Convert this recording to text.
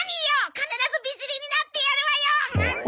必ず美尻になってやるわよ！